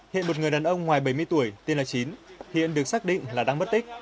hiện một người đàn ông ngoài bảy mươi tuổi tên là chín hiện được xác định là đang mất tích